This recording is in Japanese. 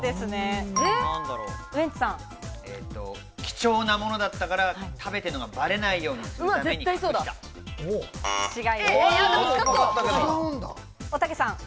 貴重なものだったから食べているのがバレないようにするために隠した。